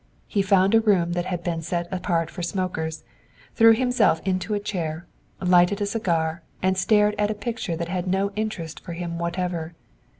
He found a room that had been set apart for smokers, threw himself into a chair, lighted a cigar and stared at a picture that had no interest for him whatever.